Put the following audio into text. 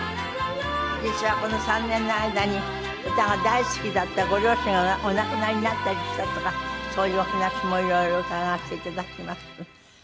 実はこの３年の間に歌が大好きだったご両親がお亡くなりになったりしたとかそういうお話もいろいろ伺わせていただきます。